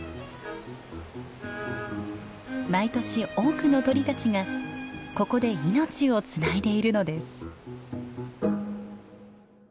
毎年多くの鳥たちがここで命をつないでいるのです。